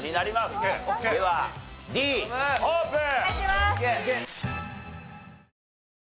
ではＤオープン。